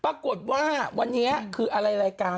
ปรากฏว่าวันนี้คืออะไรรายการ